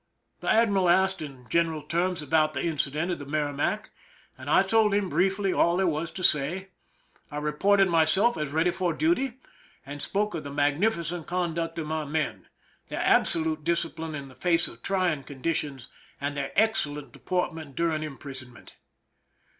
The admiral asked in general terms about the incident of the MerrimaCj and I told him briefly all there was to say. I reported myself as ready for duty, and spoke of the magnifi(jent con duct of my men, their absolute discipline in the f ac(i of trying conditions, and their excellei].t deport ment during imprisonment.